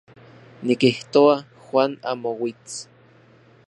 Nikijtoa Juan amo uits.